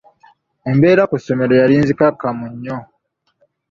Embeera ku ssomero yali nzikakkamu nnyo.